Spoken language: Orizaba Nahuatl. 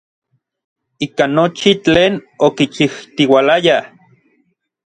Ika nochi tlen okichijtiualayaj.